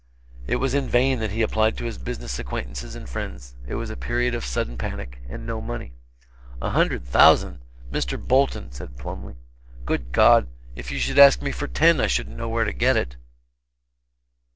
It was in vain that he applied to his business acquaintances and friends; it was a period of sudden panic and no money. "A hundred thousand! Mr. Bolton," said Plumly. "Good God, if you should ask me for ten, I shouldn't know where to get it."